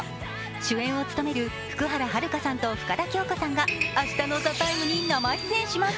主演を務める福原遥さんと深田恭子さんが明日の「ＴＨＥＴＩＭＥ，」に生出演します。